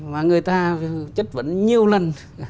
và người ta chất vấn nhiều lần